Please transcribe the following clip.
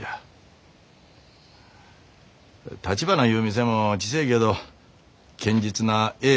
たちばないう店も小せえけど堅実なええ